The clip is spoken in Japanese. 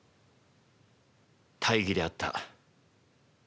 大儀であった。